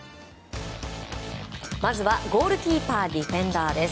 まずはゴールキーパーディフェンダーです。